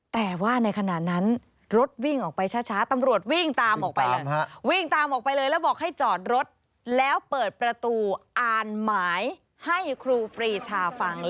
แต่ว่าในขณะนั้นรถวิ่งออกไปช้าตำรวจวิ่งตามออกไปเลยวิ่งตามออกไปเลยแล้วบอกให้จอดรถแล้วเปิดประตูอ่านหมายให้ครูปรีชาฟัง